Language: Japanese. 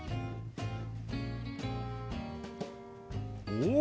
お！